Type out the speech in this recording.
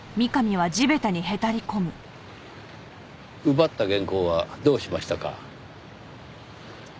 奪った原稿はどうしましたか？